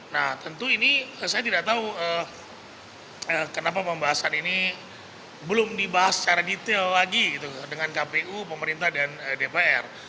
nah tentu ini saya tidak tahu kenapa pembahasan ini belum dibahas secara detail lagi dengan kpu pemerintah dan dpr